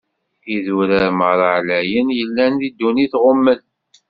Idurar meṛṛa ɛlayen yellan di ddunit, ɣummen.